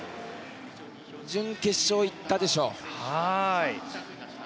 準決勝、行ったでしょ。